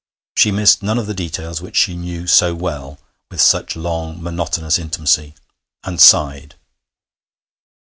She missed none of the details which she knew so well, with such long monotonous intimacy, and sighed.